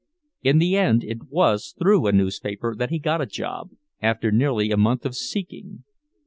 In the end it was through a newspaper that he got a job, after nearly a month of seeking.